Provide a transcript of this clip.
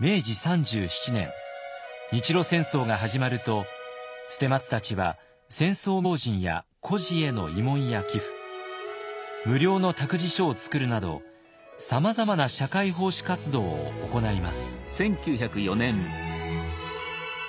明治３７年日露戦争が始まると捨松たちは戦争未亡人や孤児への慰問や寄付無料の託児所を作るなどさまざまな社会奉仕活動を行います。